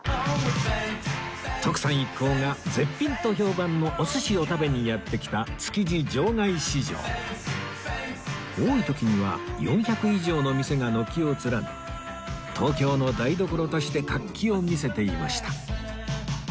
徳さん一行が絶品と評判のお寿司を食べにやって来た多い時には４００以上の店が軒を連ね東京の台所として活気を見せていました